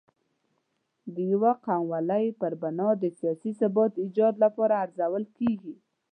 د یو قوموالۍ پر بنا د سیاسي ثبات ایجاد لپاره ارزول کېږي.